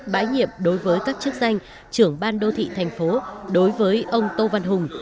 bãi nhiệm đối với các chức danh trưởng ban đô thị thành phố đối với ông tô văn hùng